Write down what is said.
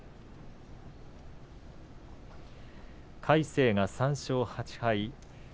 魁聖が３勝８敗。